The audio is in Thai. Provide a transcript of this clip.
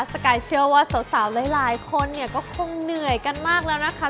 สกายเชื่อว่าสาวหลายคนเนี่ยก็คงเหนื่อยกันมากแล้วนะคะ